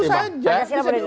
pancasila boleh dirubah